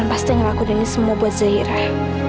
arman pasti ngelakuin ini semua buat zahirah